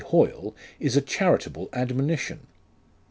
Hoyle, is a charitable admonition.